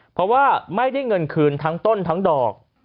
เพราะว่าไม่ได้เงินคืนทั้งต้นทั้งดอก